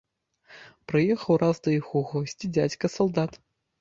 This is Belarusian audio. Прыехаў раз да іх у госці дзядзька салдат.